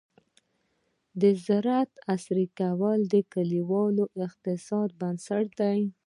د زراعت عصري کول د کليوال اقتصاد بنسټ دی.